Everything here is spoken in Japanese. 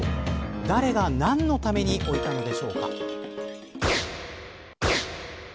誰が何のために置いたのでしょうか。